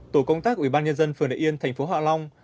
tổ công tác ủy ban nhân dân phường đại yên tp hạ long